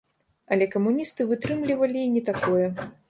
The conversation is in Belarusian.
Але камуністы вытрымлівалі і не такое.